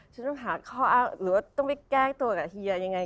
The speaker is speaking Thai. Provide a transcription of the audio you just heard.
ฉันต้องหาข้ออ้างหรือว่าต้องไปแก้ตัวกับเฮียยังไง